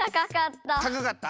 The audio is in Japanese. たかかった。